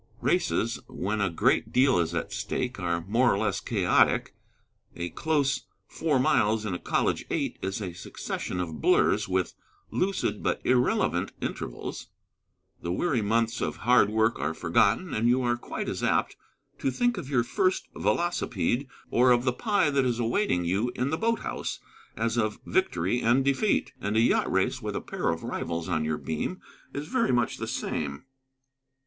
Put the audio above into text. Races, when a great deal is at stake, are more or less chaotic: a close four miles in a college eight is a succession of blurs with lucid but irrelevant intervals. The weary months of hard work are forgotten, and you are quite as apt to think of your first velocipede, or of the pie that is awaiting you in the boathouse, as of victory and defeat. And a yacht race, with a pair of rivals on your beam, is very much the same.